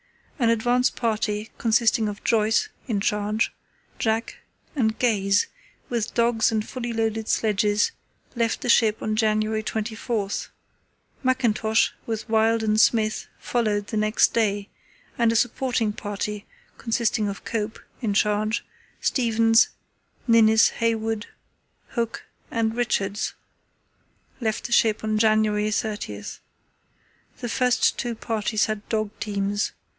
An advance party, consisting of Joyce (in charge), Jack, and Gaze, with dogs and fully loaded sledges, left the ship on January 24; Mackintosh, with Wild and Smith, followed the next day; and a supporting party, consisting of Cope (in charge), Stevens, Ninnis, Haywood, Hooke, and Richards, left the ship on January 30. The first two parties had dog teams.